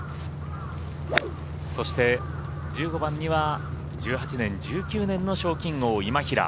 そして１５番には１８年、１９年の賞金王今平。